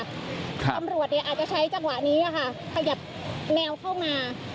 ตำรวจอาจจะใช้จังหวะนี้ขยับแนวเข้ามา